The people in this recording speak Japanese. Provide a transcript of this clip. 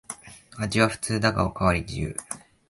味は普通だがおかわり自由